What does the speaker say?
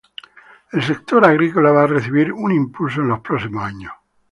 El sector agrícola va a recibir un impulso en los próximos años.